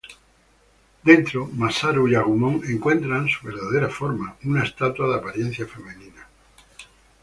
Dentro, Masaru y Agumon encuentran su verdadera forma: una estatua de apariencia femenina.